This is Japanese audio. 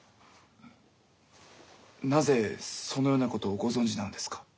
なぜそのようなことをご存じなのですか？